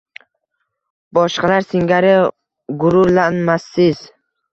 Boshqalar singari gururlanmassiz